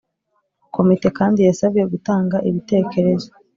Komite kandi yasabwe gutanga ibitekerezo